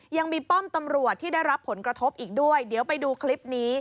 ยังมีป้อมตำรวจที่ได้รับผลกระทบอีกด้วยเดี๋ยวไปดูคลิปนี้